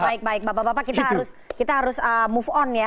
baik baik bapak bapak kita harus move on ya